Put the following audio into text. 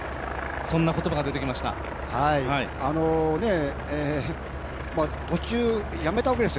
そんな言葉が出ています。